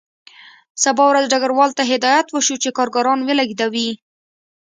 سبا ورځ ډګروال ته هدایت وشو چې کارګران ولېږدوي